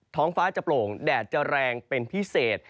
ท้องฟ้าจะโปร่งแดดจะแรงเป็นพิเศษ